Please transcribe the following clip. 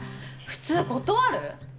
普通断る？